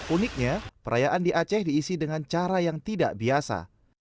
uniknya perayaan di aceh diisi dengan cara yang tidak biasa